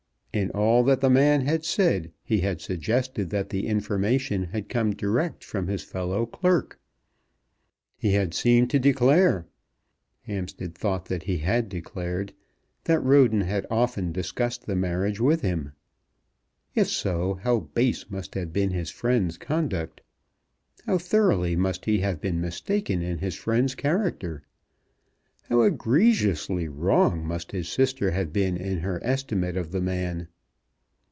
In all that the man had said he had suggested that the information had come direct from his fellow clerk. He had seemed to declare, Hampstead thought that he had declared, that Roden had often discussed the marriage with him. If so, how base must have been his friend's conduct! How thoroughly must he have been mistaken in his friend's character! How egregiously wrong must his sister have been in her estimate of the man!